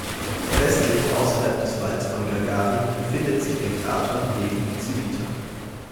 Westlich außerhalb des Walls von "Gagarin" befindet sich der Krater Levi-Civita.